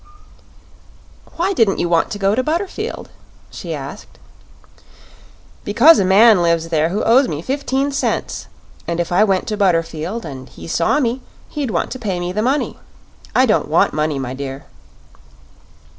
"Why didn't you want to go to Butterfield?" she asked. "Because a man lives there who owes me fifteen cents, and if I went to Butterfield and he saw me he'd want to pay me the money. I don't want money, my dear."